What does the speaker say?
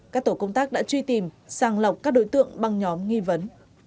các tổ công tác đã truy tìm sàng lọc các đối tượng băng nhóm nghi vấn